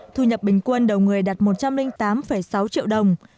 thu nhập bình quân đầu người đạt một trăm linh tám sáu triệu đồng